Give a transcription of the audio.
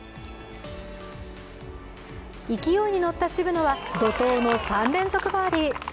勢いに乗った渋野は怒とうの３連続バーディー。